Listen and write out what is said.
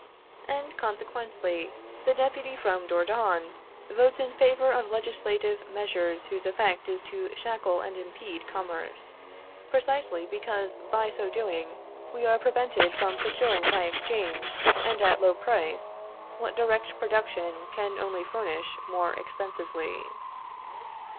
And consequently the deputy from Dordogne votes in favor of legislative measures whose effect is to shackle and impede commerce, precisely because by so doing we are prevented from procuring by exchange, and at low price, what direct production can only furnish more expensively.